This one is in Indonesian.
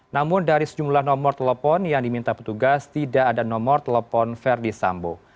namun dari sejumlah nomor telepon yang diminta petugas tidak ada nomor telepon verdi sambo